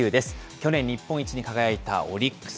去年、日本一に輝いたオリックス。